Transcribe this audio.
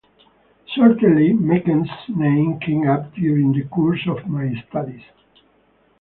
Certainly Mencken’s name came up during the course of my studies.